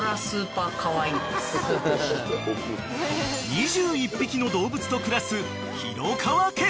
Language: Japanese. ［２１匹の動物と暮らす廣川家］